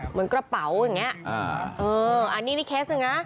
เหมือนกระเป๋าอันนี้เลยคราศนะ